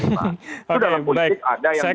itu dalam politik ada yang